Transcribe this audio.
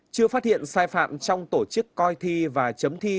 chưa phát hiện sai phạm trong tổ chức coi thi và chấm thi